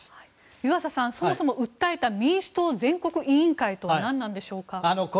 湯浅さん、そもそも訴えた民主党全国委員会とはなんなんでしょうか。